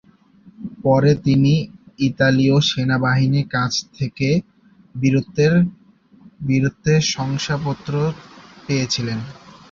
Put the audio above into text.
পরে তিনি ইতালীয় সেনাবাহিনীর কাছ থেকে বীরত্বের শংসাপত্র পেয়েছিলেন।